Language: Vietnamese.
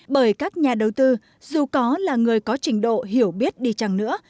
bởi các nhà đầu tư dù có là người có trình độ hiểu biết đi chăng nữa